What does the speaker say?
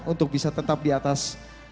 untuk bisa tetap di atas